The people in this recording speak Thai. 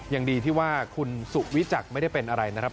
ยังดีที่ว่าคุณสุวิจักรไม่ได้เป็นอะไรนะครับ